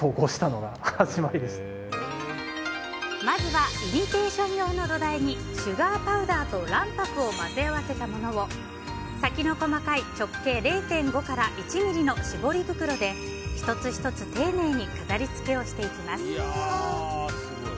まずはイミテーション用の土台にシュガーパウダーと卵白を混ぜ合わせたものを先の細かい直径０．５から１ｍｍの絞り袋で１つ１つ丁寧に飾り付けをしていきます。